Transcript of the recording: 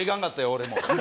俺も。